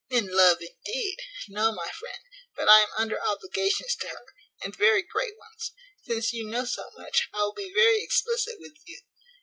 In love, indeed! no, my friend, but I am under obligations to her, and very great ones. Since you know so much, I will be very explicit with you.